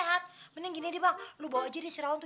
oke mungkin bongan jadi itu gitu